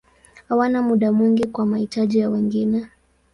Hawana muda mwingi kwa mahitaji ya wengine.